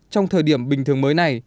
trong thời điểm bình thường mới này